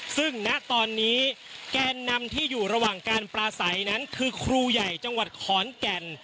ซึ่งณตอนนี้แกนนำที่อยู่ระหว่างการปลาใสนั้นคือครูใหญ่จังหวัดขอนแก่น